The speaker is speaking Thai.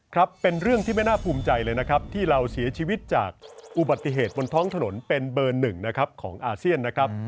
ครับเป็นเรื่องที่ไม่น่าภูมิใจเลยนะครับที่เราเสียชีวิตจากอุบัติเหตุบนท้องถนนเป็นเบอร์หนึ่งนะครับของอาเซียนนะครับ